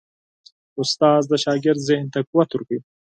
استاد د شاګرد ذهن ته قوت ورکوي.